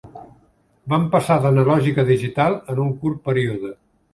Vam passar d'analògic a digital en un curt període.